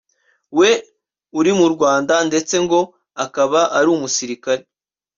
we uri mu Rwanda ndetse ngo akaba ari umusirikare